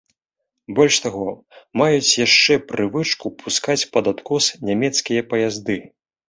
Больш таго, маюць яшчэ прывычку пускаць пад адкос нямецкія паязды.